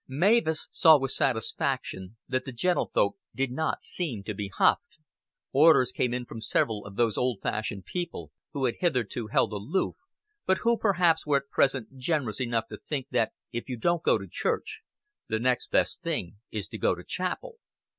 Mavis saw with satisfaction that the gentlefolk did not seemed to be huffed. Orders came in from several of those old fashioned people who had hitherto held aloof, but who perhaps were at present generous enough to think that if you don't go to church, the next best thing is to go to chapel.